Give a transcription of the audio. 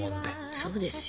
そうですよ。